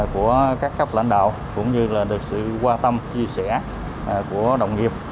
của các cấp lãnh đạo cũng như là được sự quan tâm chia sẻ của đồng nghiệp